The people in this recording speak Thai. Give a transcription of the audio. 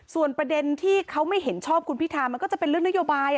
ส่วนประเด็นที่เขาไม่เห็นชอบคุณพิธามันก็จะเป็นเรื่องนโยบาย